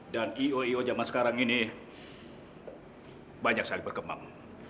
dan ioo zaman sekarang ini banyak sekali berkembang